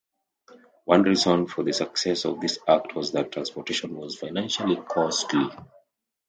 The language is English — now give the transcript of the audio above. One reason for the success of this Act was that transportation was financially costly.